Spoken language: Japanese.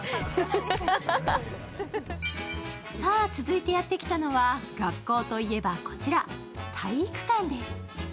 さあ続いてやってきたのは学校といえばこちら、体育館です。